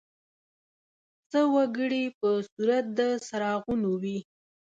څه وګړي په صورت د څراغونو وي.